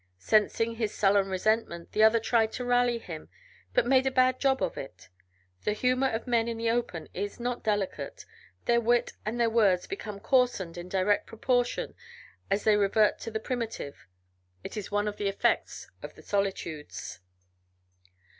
Sensing his sullen resentment, the other tried to rally him, but made a bad job of it. The humor of men in the open is not delicate; their wit and their words become coarsened in direct proportion as they revert to the primitive; it is one effect of the solitudes.